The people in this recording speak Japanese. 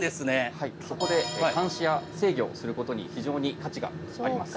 はいそこで監視や制御をすることに非常に価値があります。